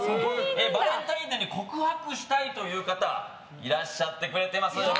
バレンタインデーに告白したいという方いらっしゃってくれています。